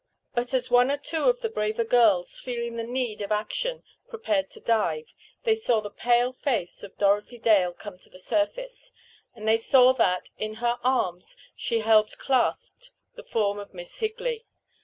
But, as one or two of the braver girls, feeling the need of action, prepared to dive, they saw the pale face of Dorothy Dale come to the surface, and they saw that, in her arms, she held clasped the form of Miss Higley.